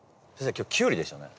今日キュウリでしたよね？